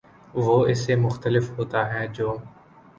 وہ اس سے مختلف ہوتا ہے جو